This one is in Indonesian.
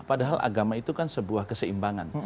padahal agama itu kan sebuah keseimbangan